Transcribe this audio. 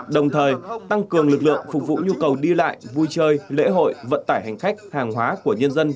đồng thời tăng cường lực lượng phục vụ nhu cầu đi lại vui chơi lễ hội vận tải hành khách hàng hóa của nhân dân